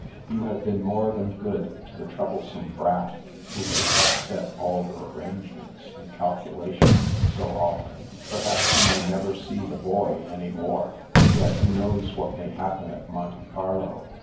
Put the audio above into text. You have been more than good to the troublesome * Brat ' who has upset all your arrange ments and calculations so often. Perhaps you may never see the Boy any more. Yet, who knows what may happen at Monte Carlo?